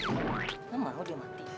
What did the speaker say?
nah malem ini dia mati